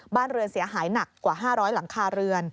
บ้านเรือนเสียหายหนักกว่า๕๐๐หลังคาเรือน